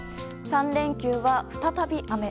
３連休は、再び雨。